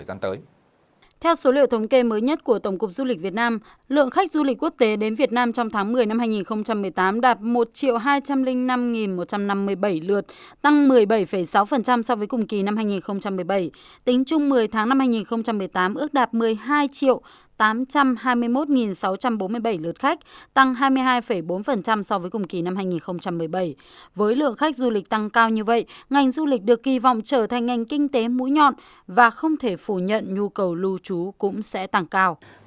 với lượng khách du lịch tăng cao như vậy ngành du lịch được kỳ vọng trở thành ngành kinh tế mũi nhọn và không thể phủ nhận nhu cầu lưu trú cũng sẽ tăng cao